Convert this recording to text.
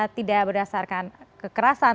walaupun dilakukan tidak berdasarkan kekerasan